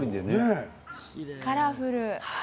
カラフル。